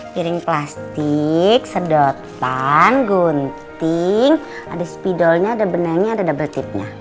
piring plastik sedotan gunting ada spidolnya ada benahnya ada double tipnya